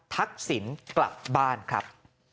ทักษิณกลับบ้านครับ